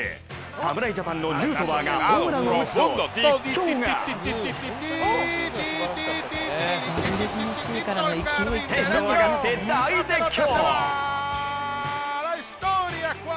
侍ジャパンのヌートバーがホームランを打つと実況がテンション上がって大絶叫！